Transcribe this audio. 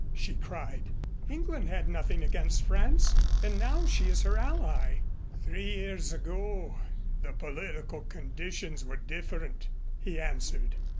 she cried. "England had nothing against France and now she is her ally." "Three years ago the political conditions were different," he answered.